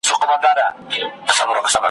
ړنګه بنګه یې لړۍ سوه د خیالونو ,